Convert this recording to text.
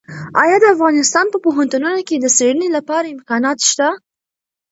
ایا د افغانستان په پوهنتونونو کې د څېړنې لپاره امکانات شته؟